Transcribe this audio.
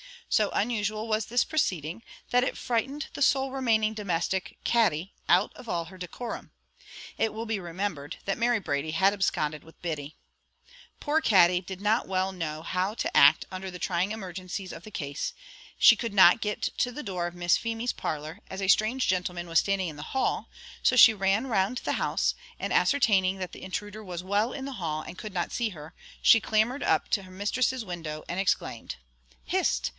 So unusual was this proceeding, that it frightened the sole remaining domestic, Katty, out of all her decorum. It will be remembered that Mary Brady had absconded with Biddy. Poor Katty did not well know how to act under the trying emergencies of the case; she could not get to the door of Miss Feemy's parlour, as a strange gentleman was standing in the hall, so she ran round the house, and ascertaining that the intruder was well in the hall, and could not see her, she clambered up to her mistress's window, and exclaimed, "Hist!